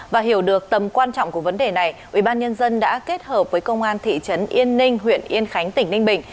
và hiểu được tầm quan trọng của vấn đề này ubnd đã kết hợp với công an thị trấn yên ninh huyện yên khánh tỉnh ninh bình